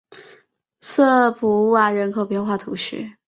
瑟普瓦人口变化图示